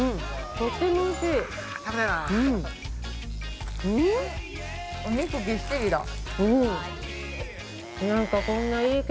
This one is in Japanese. とってもおいしい。